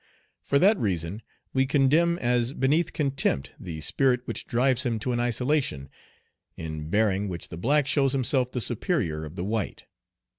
For that reason we condemn as beneath contempt the spirit which drives him to an isolation, in bearing which the black shows himself the superior of the white.